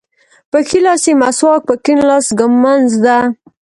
په ښي لاس یې مسواک په کیڼ لاس ږمونځ ده.